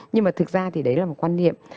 nhưng mà thực ra thì đấy là một quan niệm